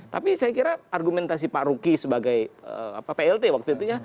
tapi saya kira argumentasi pak ruki sebagai plt waktu itu ya